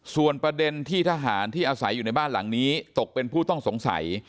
ส่วนประเด็นที่ทหารที่อาศัยอยู่ในบ้านหลังนี้ตกเป็นผู้ต้องสงสัย